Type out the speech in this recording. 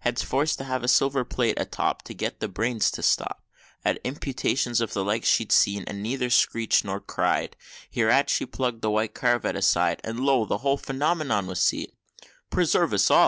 Heads forced to have a silver plate atop, To get the brains to stop. At imputations of the legs she'd been, And neither screech'd nor cried " Hereat she pluck'd the white cravat aside, And lo! the whole phenomenon was seen "Preserve us all!